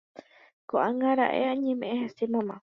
Ko'ág̃a raẽ añeme'ẽ hese mama